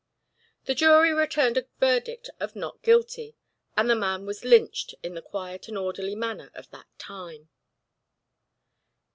The jury returned a verdict of "not guilty," and the man was lynched in the quiet and orderly manner of that time.